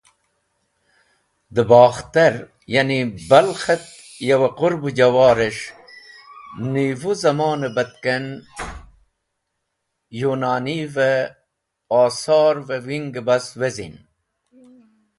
De Bakhter ya’ni Balkh et yawe Qurbu Jawar es̃h nivu zamone batken Younanive Osorev Winge bas wezin.